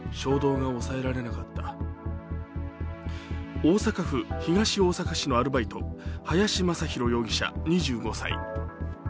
大阪府東大阪市のアルバイト、林政広容疑者２５歳。